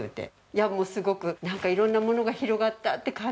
いやもうすごくなんか色んなものが広がったって感じで。